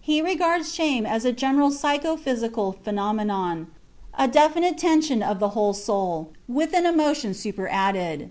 He regards shame as a general psycho physical phenomenon, "a definite tension of the whole soul," with an emotion superadded.